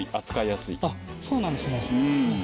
あっそうなんですね。